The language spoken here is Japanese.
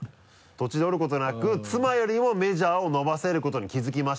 「途中で折ることなく妻よりもメジャーを伸ばせることに気づきました」